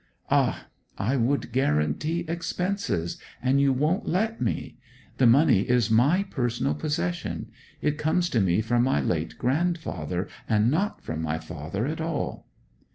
'Ah! I would guarantee expenses, and you won't let me! The money is my personal possession: it comes to me from my late grandfather, and not from my father at all.'